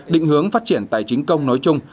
định hướng phát triển tài chính công nói chung